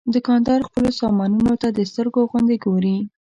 دوکاندار خپلو سامانونو ته د سترګو غوندې ګوري.